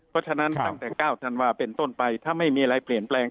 เพราะฉะนั้นตั้งแต่๙ธันวาเป็นต้นไปถ้าไม่มีอะไรเปลี่ยนแปลง